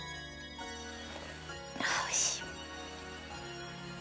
おいしい。